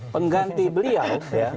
pengganti beliau ya